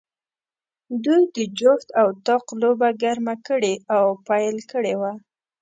دوی د جفت او طاق لوبه ګرمه کړې او پیل کړې وه.